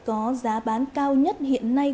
có giá bán cao nhất hiện nay